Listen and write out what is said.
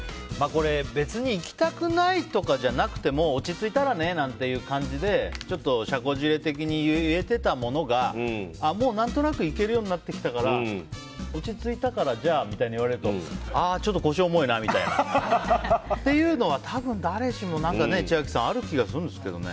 別に行きたくないとかじゃなくても落ち着いたらねなんていう感じでちょっと社交辞令的に言えてたものがもう、何となく行けるようになってきたから落ち着いたから、じゃあみたいに言われるとあ、ちょっと腰重いなみたいなのは多分、誰しもある気がするんですけどね。